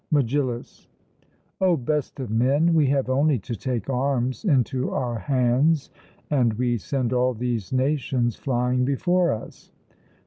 MEGILLUS: O best of men, we have only to take arms into our hands, and we send all these nations flying before us.